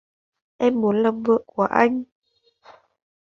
Em muốn làm vợ của anh